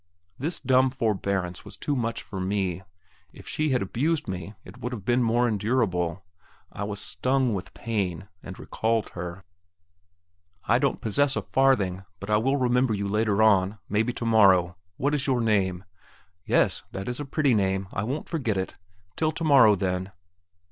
This dumb forbearance was too much for me. If she had abused me, it would have been more endurable. I was stung with pain, and recalled her. "I don't possess a farthing; but I will remember you later on, maybe tomorrow. What is your name? Yes, that is a pretty name; I won't forget it. Till tomorrow, then...."